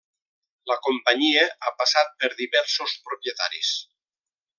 La companyia ha passat per diversos propietaris.